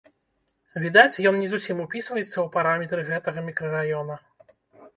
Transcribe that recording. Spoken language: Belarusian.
Відаць, ён не зусім упісваецца ў параметры гэтага мікрараёна.